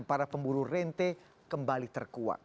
para pemburu rente kembali terkuat